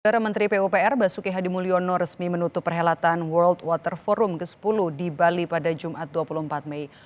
para menteri pupr basuki hadimulyono resmi menutup perhelatan world water forum ke sepuluh di bali pada jumat dua puluh empat mei